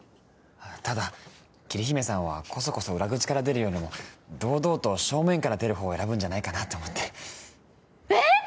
ただ桐姫さんはコソコソ裏口から出るよりも堂々と正面から出る方を選ぶんじゃないかなと思ってえーっ！？